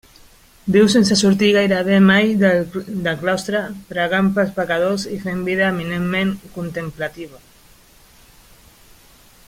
Viu sense sortir gairebé mai del claustre, pregant pels pecadors i fent vida eminentment contemplativa.